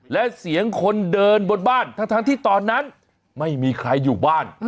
และเสียงคนเดินบนบ้านทั้งที่ตอนนั้นไม่มีใครอยู่บ้าน